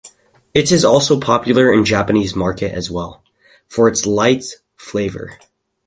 It is also popular in Japanese market as well, for its light flavor.